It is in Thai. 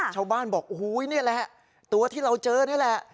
ชาวบ้านบอกโอ้โหนี่แหละตัวที่เราเจอนี่แหละ